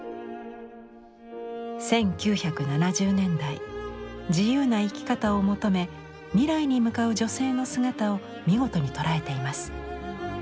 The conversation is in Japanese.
１９７０年代自由な生き方を求め未来に向かう女性の姿を見事に捉えています。